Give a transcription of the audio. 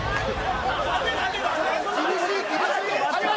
厳しい、厳しい。